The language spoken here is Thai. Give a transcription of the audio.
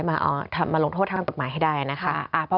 มาลงโทษทางกฎหมายให้ได้นะคะ